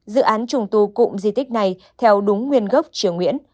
dự án trùng tu cụm di tích này theo đúng nguyên gốc triều nguyễn